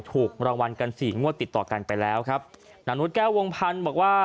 ถูกรางวัลกันสี่งวดติดต่อกันไปแล้วครับนานุษแก้ววงพันธุ์บอกว่า